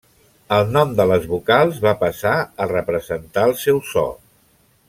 El nom de les vocals va passar a representar el seu so.